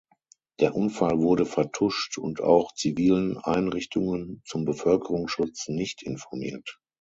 Der Unfall wurde vertuscht und auch zivilen Einrichtungen zum Bevölkerungsschutz nicht informiert.